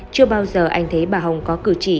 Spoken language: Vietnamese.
chưa bao giờ anh thấy bà hồng có cử chỉ